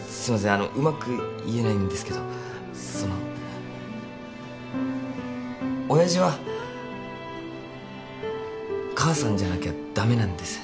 あのうまく言えないんですけどその親父は母さんじゃなきゃ駄目なんです。